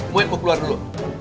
muin gue keluar dulu